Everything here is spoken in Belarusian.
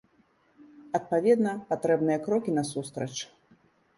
Адпаведна, патрэбныя крокі насустрач.